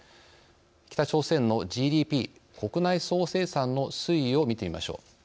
北朝鮮のＧＤＰ＝国内総生産の推移を見てみましょう。